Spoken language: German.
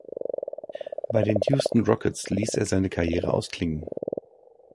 Bei den Houston Rockets ließ er seine Karriere ausklingen.